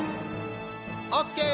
オッケー！